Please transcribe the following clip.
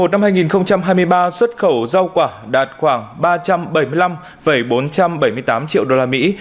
năm hai nghìn hai mươi ba xuất khẩu rau quả đạt khoảng ba trăm bảy mươi năm bốn trăm bảy mươi tám triệu đô la mỹ